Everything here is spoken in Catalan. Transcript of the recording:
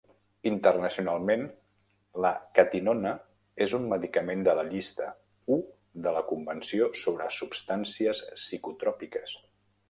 Internacionalment, la catinona és un medicament de la llista I de la Convenció sobre substàncies psicotròpiques.